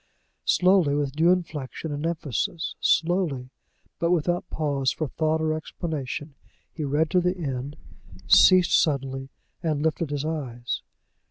Slowly, with due inflection and emphasis slowly, but without pause for thought or explanation he read to the end, ceased suddenly, and lifted his eyes.